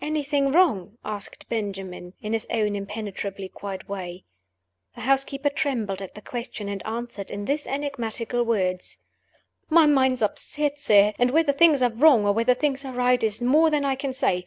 "Anything wrong?" asked Benjamin, in his own impenetrably quiet way. The housekeeper trembled at the question, and answered in these enigmatical words: "My mind's upset, sir; and whether things are wrong or whether things are right is more than I can say.